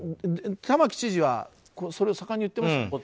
玉城知事はそれを盛んに言ってます。